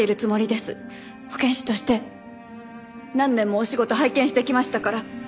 保健師として何年もお仕事を拝見してきましたから。